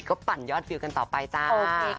น้องเจมส์จีกเข้าปั่นยอดฟิวกันต่อไปจ้า